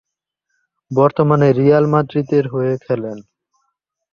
বর্তমানে রিয়াল মাদ্রিদের হয়ে খেলেন।